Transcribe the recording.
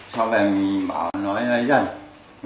sau này mình bảo nó lấy dành